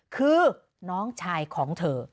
คือน้องชายของเธอ